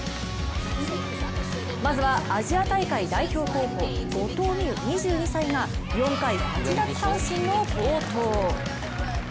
まずはアジア大会代表候補後藤希友２２歳が４回８奪三振の好投。